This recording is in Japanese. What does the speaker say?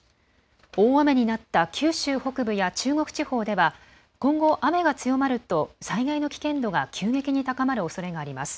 大雨になった九州北部や中国地方では今後、雨が強まると災害の危険度が急激に高まるおそれがあります。